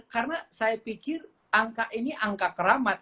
karena saya pikir angka ini angka keramat